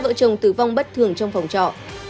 vợ chồng tử vong bất thường trong phòng trọ